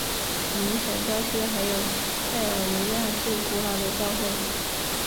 尼什郊区还有塞尔维亚最古老的教会。